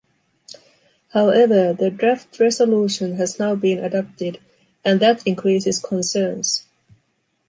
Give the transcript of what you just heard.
However, the draft resolution has now been adopted, and that increases concerns.